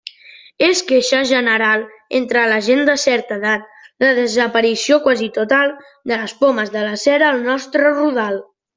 És queixa general entre la gent de certa edat la desaparició quasi total de les pomes de la cera al nostre rodal.